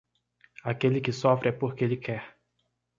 Aquele que sofre é porque ele quer.